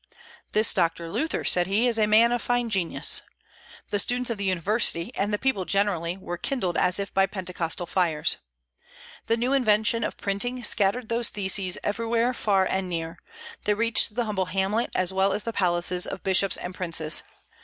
"This Doctor Luther," said he, "is a man of fine genius." The students of the university, and the people generally, were kindled as if by Pentecostal fires. The new invention of printing scattered those theses everywhere, far and near; they reached the humble hamlet as well as the palaces of bishops and princes.